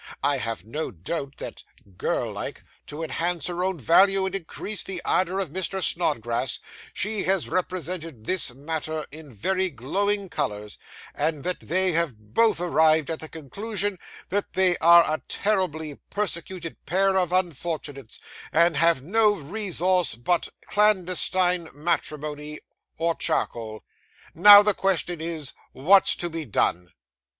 I have no doubt that, girl like, to enhance her own value and increase the ardour of Mr. Snodgrass, she has represented this matter in very glowing colours, and that they have both arrived at the conclusion that they are a terribly persecuted pair of unfortunates, and have no resource but clandestine matrimony, or charcoal. Now the question is, what's to be done?